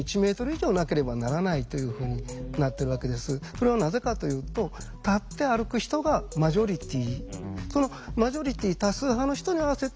それはなぜかというと立って歩く人がマジョリティー。